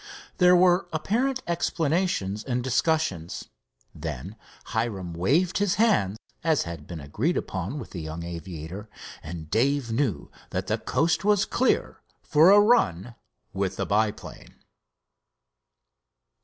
There were apparent explanations and discussions. Then Hiram waved his hand as had been agreed on with the young aviator, and Dave knew that the coast was clear for a run with the biplane.